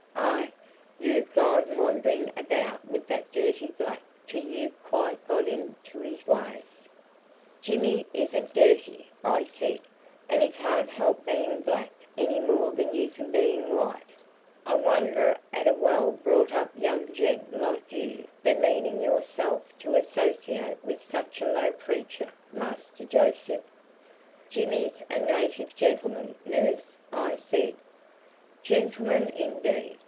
"Ah! you've gone wandering about with that dirty black till you've quite got into his ways." "Jimmy isn't dirty," I said; "and he can't help being black any more than you can being white." "I wonder at a well brought up young gent like you bemeaning yourself to associate with such a low creature, Master Joseph." "Jimmy's a native gentleman, nurse," I said. "Gentleman, indeed!"